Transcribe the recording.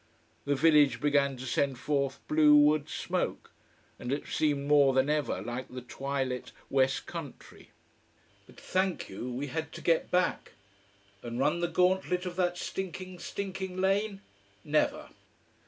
The village began to send forth blue wood smoke, and it seemed more than ever like the twilit West Country. But thank you we had to get back. And run the gauntlet of that stinking, stinking lane? Never.